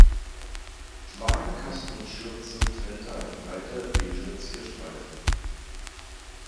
Wagenkasten und Schürze trennte ein breiter beiger Zierstreifen.